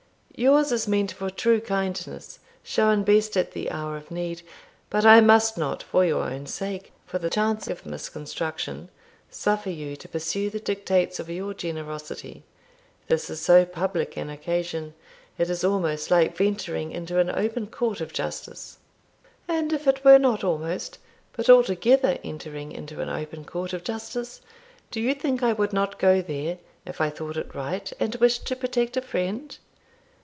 "Yours is meant for true kindness, shown best at the hour of need. But I must not, for your own sake for the chance of misconstruction suffer you to pursue the dictates of your generosity; this is so public an occasion it is almost like venturing into an open court of justice." "And if it were not almost, but altogether entering into an open court of justice, do you think I would not go there if I thought it right, and wished to protect a friend?